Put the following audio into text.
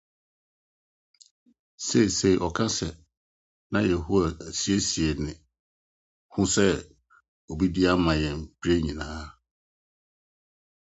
Seesei ɔka sɛ: Na Yehowa asiesie ne ho sɛ obedi ama yɛn bere nyinaa.